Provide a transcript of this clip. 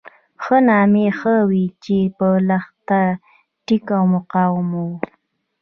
ښه نامي هغه وو چې په لښته ټینګ او مقاوم وو.